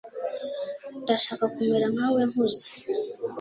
ndashaka kumera nkawe nkuze